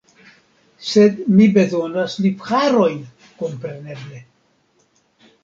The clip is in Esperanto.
Sed mi bezonas lipharojn, kompreneble.